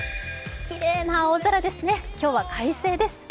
きれいな青空ですね今日は快晴です。